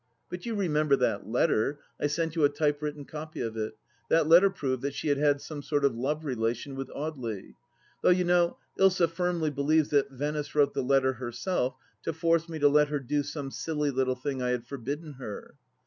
But you remember that letter — I sent you a type written copy of it — ^that letter proved that she had had some sort of love relation with Audely. Though, you know, Ilsa firmly be lieves that Venice wrote the letter herself to force me to let her do some sUly little thing I had forbidden her.